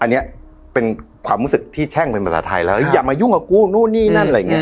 อันนี้เป็นความรู้สึกที่แช่งเป็นภาษาไทยแล้วอย่ามายุ่งกับกูนู่นนี่นั่นอะไรอย่างนี้